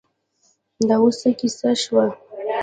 دا اوس څه کیسه شوه.